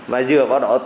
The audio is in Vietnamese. và dừa vào đó